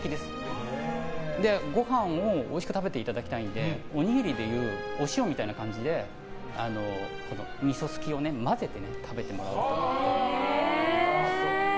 ご飯をおいしく食べていただきたいのでおにぎりでいうお塩みたいな感じでみそすきを混ぜて食べていただこうかと。